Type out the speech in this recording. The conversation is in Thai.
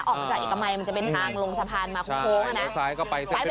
ถ้าออกจากอิกมัยมันจะเป็นทางลงสะพานมาคุกโค้ง